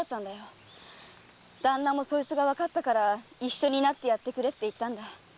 旦那もそいつがわかったから「一緒になってやってくれ」って言ったんだ。